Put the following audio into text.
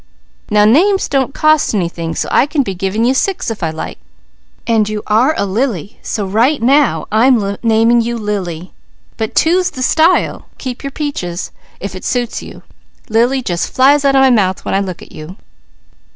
Now names don't cost anything, so I can be giving you six if I like, and you are a lily, so right now I'm naming you Lily, but two's the style; keep your Peaches, if it suits you. Lily just flies out of my mouth when I look at you."